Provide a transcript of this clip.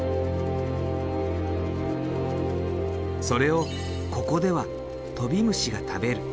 それをここではトビムシが食べる。